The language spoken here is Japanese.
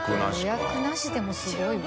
「予約なし」でもすごいわ。